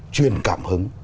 chuyên cảm hứng